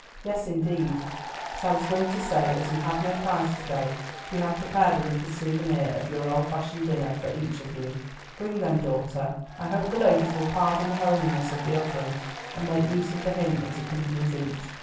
"Yes, indeed. But I was going to say, as we have no prize to day, we have prepared a little souvenir of our old fashioned dinner for each of you. Bring them, daughter; I hope the ladies will pardon the homeliness of the offering, and make use of the hint that accompanies each."